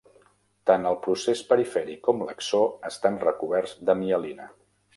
Tant el procés perifèric com l'axó estan recoberts de mielina.